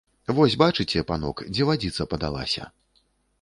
Вось бачыце, панок, дзе вадзіца падалася.